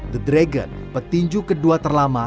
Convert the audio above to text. the dragon petinju kedua terlama